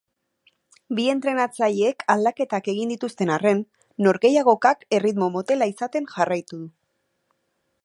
Bi entrenatzaileek aldaketak egin dituzten arren, norgehiagokak erritmo motela izaten jarraitu du.